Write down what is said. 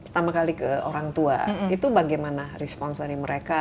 pertama kali ke orang tua itu bagaimana responsori mereka